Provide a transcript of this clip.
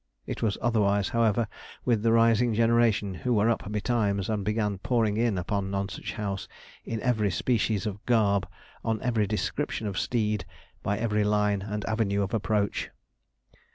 It was otherwise, however, with the rising generation, who were up betimes, and began pouring in upon Nonsuch House in every species of garb, on every description of steed, by every line and avenue of approach.